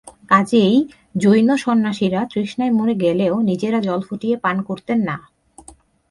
কজেই জৈনসন্ন্যাসীরা তৃষ্ণায় মরে গেলেও নিজেরা জল ফুটিয়ে পান করতেন না।